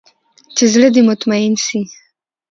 چې زړه دې مطمين سي.